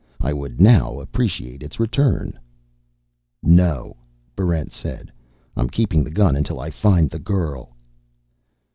I would now appreciate its return." "No," Barrent said. "I'm keeping the gun until I find the girl."